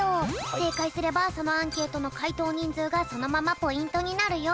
せいかいすればそのアンケートのかいとうにんずうがそのままポイントになるよ。